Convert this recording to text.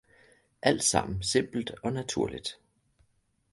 alt sammen simpelt og naturligt!